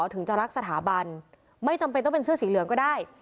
ถึงจะรักสถาบันไม่จำเป็นต้องเป็นเสื้อสีเหลืองก็ได้